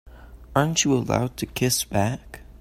Aren't you allowed to kiss back?